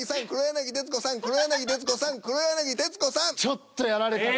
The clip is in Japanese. ちょっとやられたな。